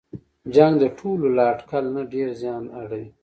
جنګ د ټولو له اټکل نه ډېر زیان اړوي.